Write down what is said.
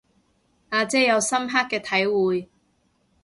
阿姐有深刻嘅體會